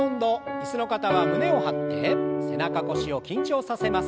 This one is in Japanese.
椅子の方は胸を張って背中腰を緊張させます。